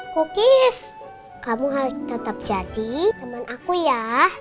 kukis kamu harus tetap jadi teman aku ya